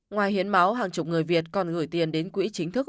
ngoài hiến máu hàng chục người việt còn gửi tiền đến quỹ chính thức